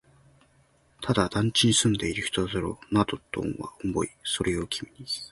ただ、団地に住んでいる人だろうなとは思い、それを君にきく